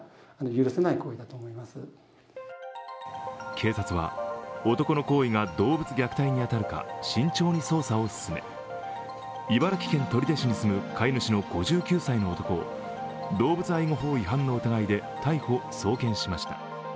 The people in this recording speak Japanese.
警察は、男の行為が動物虐待に当たるか慎重に捜査を進め茨城県取手市に住む飼い主の５９歳の男を動物愛護法違反の疑いで逮捕・送検しました。